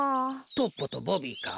トッポとボビーか？